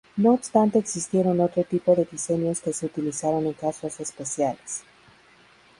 No obstante existieron otro tipo de diseños que se utilizaron en casos especiales.